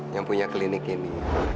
yang punya klinik ini